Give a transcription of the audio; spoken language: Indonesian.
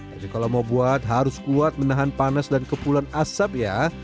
tapi kalau mau buat harus kuat menahan panas dan kepulan asap ya